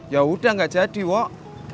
ya udah nggak jadi wak